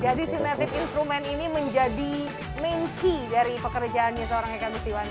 jadi sinertif instrument ini menjadi main key dari pekerjaannya seorang eka agustiwana